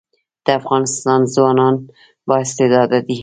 د افغانستان ځوانان با استعداده دي